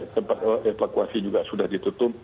tempat evakuasi juga sudah ditutup